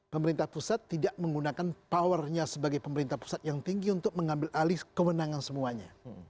pemerintah pusat tidak menggunakan powernya sebagai pemerintah pusat yang tinggi untuk mengambil alih kewenangan semuanya